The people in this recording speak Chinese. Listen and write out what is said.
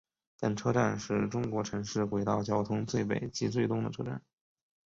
本车站是中国城市轨道交通最北及最东的车站。